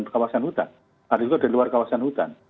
kawasan hutan ada juga dari luar kawasan hutan